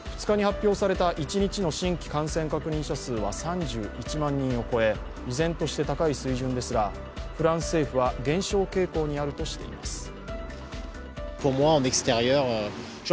２日に発表された一日の新規感染確認者数は３１万人を超え、依然として高い水準ですが、フランス政府は減少傾向にあるとしています。